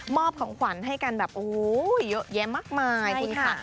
ของขวัญให้กันแบบโอ้โหเยอะแยะมากมายคุณค่ะ